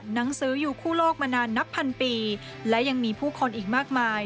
หนังสืออยู่คู่โลกมานานนับพันปีและยังมีผู้คนอีกมากมาย